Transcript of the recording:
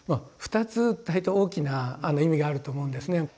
二つ大体大きな意味があると思うんですね。